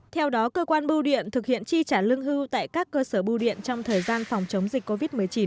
theo đó cơ quan bưu điện thực hiện chi trả lương hưu tại các cơ sở bưu điện trong thời gian phòng chống dịch covid một mươi chín